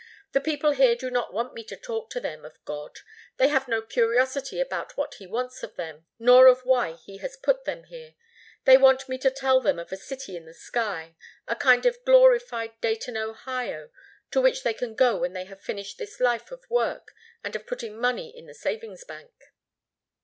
"The people here do not want me to talk to them of God. They have no curiosity about what He wants of them nor of why He has put them here. They want me to tell them of a city in the sky, a kind of glorified Dayton, Ohio, to which they can go when they have finished this life of work and of putting money in the savings bank."